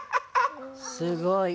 すごい。